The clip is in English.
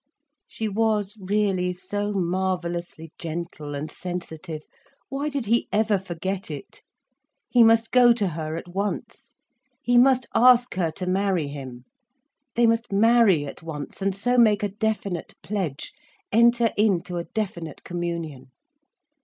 She was really so marvellously gentle and sensitive. Why did he ever forget it? He must go to her at once. He must ask her to marry him. They must marry at once, and so make a definite pledge, enter into a definite communion.